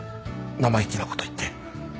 生意気なこと言って。